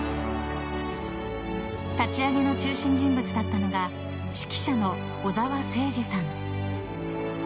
［立ち上げの中心人物だったのが指揮者の小澤征爾さん］